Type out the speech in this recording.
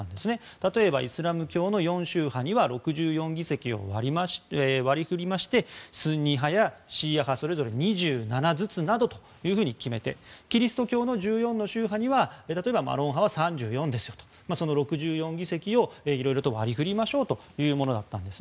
例えばイスラム教の４宗派には６４議席を割り振りましてスンニ派、シーア派それぞれ２７ずつなどと決めてキリスト教の１４の宗派には例えばマロン派は３４ですよとその６４議席をいろいろ割り振りましょうというものだったんです。